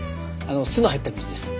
酢の入った水です。